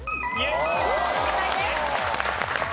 正解です。